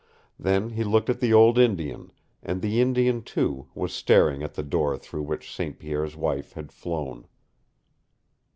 Then he looked at the old Indian, and the Indian, too, was staring at the door through which St. Pierre's wife had flown.